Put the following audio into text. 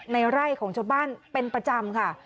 ในไร่ของชาวบ้านเป็นประจำค่ะ